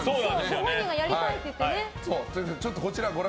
ご本人がやりたいと言ってね。